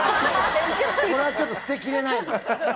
これはちょっと捨てきれない。